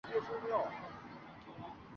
本站只停靠普通列车。